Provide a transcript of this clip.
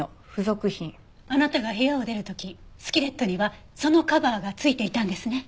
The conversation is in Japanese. あなたが部屋を出る時スキレットにはそのカバーが付いていたんですね？